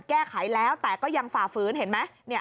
แก้ไขแล้วแต่ก็ยังฝ่าฝืนเห็นไหม